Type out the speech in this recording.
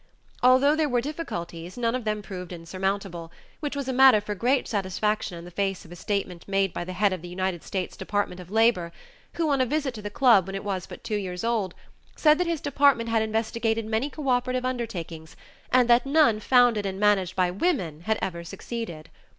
Although there were difficulties, none of them proved insurmountable, which was a matter for great satisfaction in the face of a statement made by the head of the United States Department of Labor, who, on a visit to the club when it was but two years old, said that his department had investigated many cooperative undertakings, and that none founded and managed by women had ever succeeded.